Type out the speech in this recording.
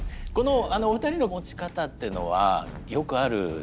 このお二人の持ち方っていうのはよくあるんですか？